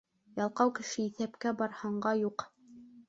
Ялҡау кеше иҫәпкә бар, һанға юҡ.